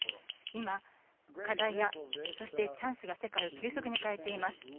今、課題やそしてチャンスが世界を急速に変えています。